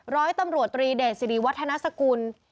ร้อยตำรวจตรีเดชสิริวัฒนสกุล